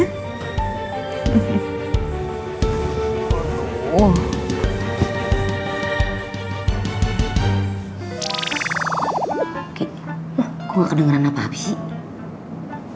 kok gak kedengeran apa apa sih